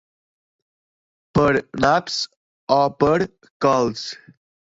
Per naps o per cols.